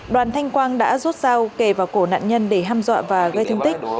đoàn thanh quang đã rút dao kề vào cổ nạn nhân để hâm dọa và gây thương tích